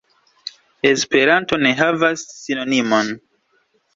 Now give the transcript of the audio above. Esperanto ne havas sinonimon.